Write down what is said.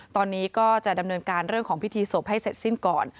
ตอนนี้ก็จะดำเนินการเรื่องของพิธีศพให้เสร็จสิ้นก่อน